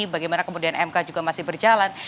bagaimana kemudian mk juga masih berjalan